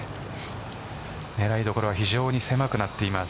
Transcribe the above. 狙い所が非常に狭くなっています。